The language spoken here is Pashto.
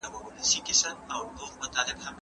نوي کتابونه به تر زړو هغو ډېر چاپ سي.